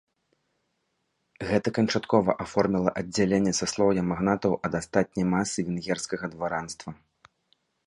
Гэта канчаткова аформіла аддзяленне саслоўя магнатаў ад астатняй масы венгерскага дваранства.